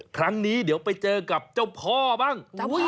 ครั้งนี้เดี๋ยวไปเจอกับเจ้าพ่อบ้าง